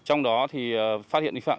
trong đó thì phát hiện lịch phạm